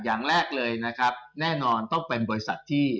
อย่างแรกเลยนะครับแน่นอนต้องเป็นบริษัทที่